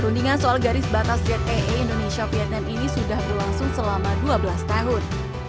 perundingan soal garis batas zee indonesia vietnam ini sudah berlangsung selama dua belas tahun